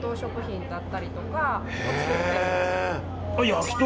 焼き鳥！